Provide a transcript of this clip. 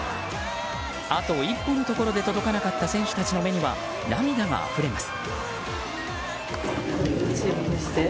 あと一歩のところで届かなかった選手たちの目には涙があふれます。